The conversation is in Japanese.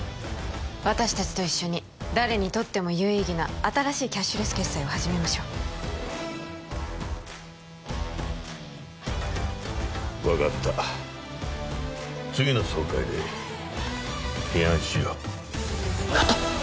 私達と一緒に誰にとっても有意義な新しいキャッシュレス決済を始めましょう分かった次の総会で提案しようやった！